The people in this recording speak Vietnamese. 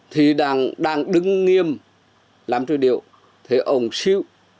thì đang đứng nghiêm làm cho điều thế ông xíu